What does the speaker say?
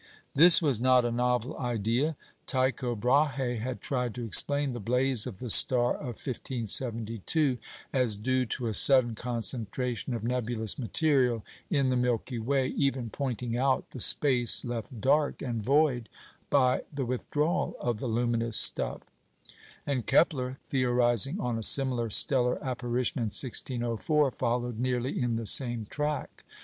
" This was not a novel idea. Tycho Brahe had tried to explain the blaze of the star of 1572 as due to a sudden concentration of nebulous material in the Milky Way, even pointing out the space left dark and void by the withdrawal of the luminous stuff; and Kepler, theorising on a similar stellar apparition in 1604, followed nearly in the same track.